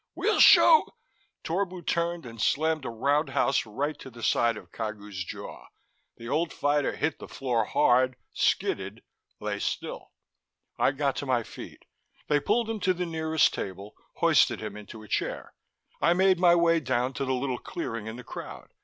"We'll show " Torbu turned and slammed a roundhouse right to the side of Cagu's jaw; the old fighter hit the floor hard, skidded, lay still. I got to my feet. They pulled him to the nearest table, hoisted him into a chair. I made my way down to the little clearing in the crowd.